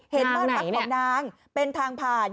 เห็นบ้านพักของนางเป็นทางผ่าน